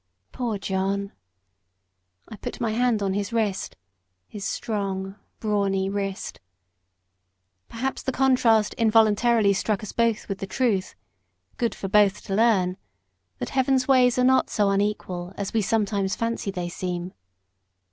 "Poor John!" I put my hand on his wrist his strong, brawny wrist. Perhaps the contrast involuntarily struck us both with the truth good for both to learn that Heaven's ways are not so unequal as we sometimes fancy they seem.